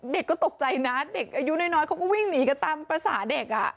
เด็กก็ตกใจนะเด็กอายุน้อยเขาก็วิ่งหนีกันตามภาษาเด็ก